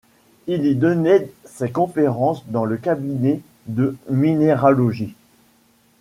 Il y donnait ses conférences dans le cabinet de Minéralogie.